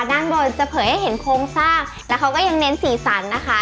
ด้านบนจะเผยให้เห็นโครงสร้างแล้วเขาก็ยังเน้นสีสันนะคะ